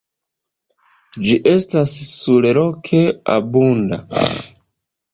Ĝi estas surloke abunda.